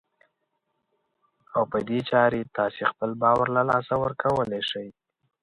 او په دې چارې تاسې خپل باور له لاسه ورکولای شئ.